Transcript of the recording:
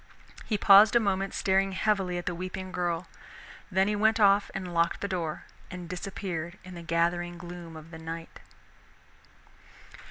He paused a moment, staring heavily at the weeping girl, then he went off and locked the door and disappeared in the gathering gloom of the night.